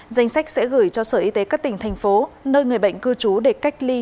danh sách sẽ gửi cho sở y tế các tỉnh thành phố nơi người bệnh cư trú để cách ly